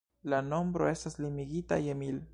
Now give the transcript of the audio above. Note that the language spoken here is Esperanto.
La nombro estas limigita je mil.